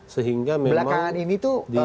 sehingga belakangan ini tuh